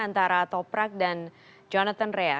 antara toprak dan jonathan rea